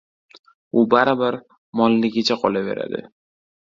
— u baribir molligicha qolaveradi.